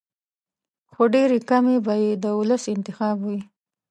خو ډېرې کمې به یې د ولس انتخاب وي.